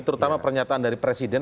terutama pernyataan dari presiden